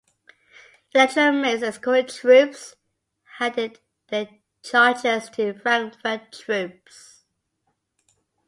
Electoral Mainz escort troops handed their charges to Frankfurt troops.